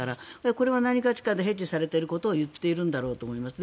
これが何がしかでヘッジされていることを言っているんだと思います。